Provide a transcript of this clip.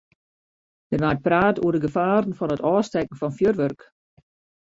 Der waard praat oer de gefaren fan it ôfstekken fan fjurwurk.